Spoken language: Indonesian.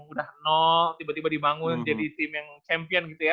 udah nol tiba tiba dibangun jadi tim yang champion gitu ya